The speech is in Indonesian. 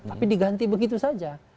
tapi diganti begitu saja